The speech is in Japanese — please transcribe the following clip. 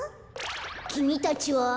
きみたちは？